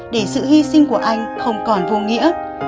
để sự hy sinh của anh không còn vô nghĩa